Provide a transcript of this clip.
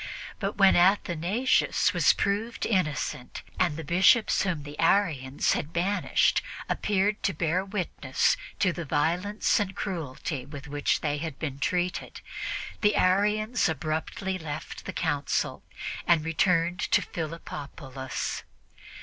But when Athanasius was proved innocent, and the Bishops whom the Arians had banished appeared to bear witness to the violence and cruelty with which they had been treated, the Arians abruptly left the Council and returned to Philippopolis.